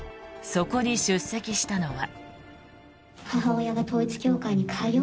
そこに出席したのは。